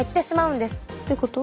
どういうこと？